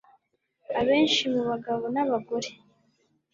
Abenshi mu bagabo nabagore